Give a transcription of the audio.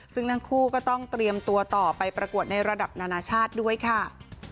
ซึ่งทั้งคู่ก็ต้องเตรียมตัวต่อไปประกวดในระดับนานาชาติด้วยค่ะ